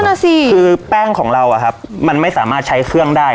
นั่นน่ะสิคือแป้งของเราอะครับมันไม่สามารถใช้เครื่องได้